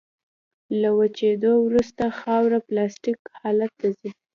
له وچېدو وروسته خاوره پلاستیک حالت ته ځي